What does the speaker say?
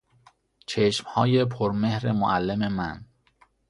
چشمهای پرمهر معلم من